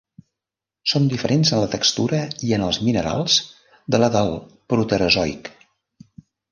Són diferents en la textura i en els minerals de la del Proterozoic.